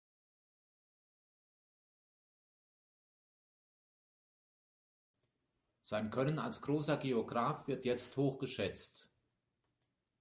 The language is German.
Sein Können als großer Geograf wird jetzt hoch geschätzt.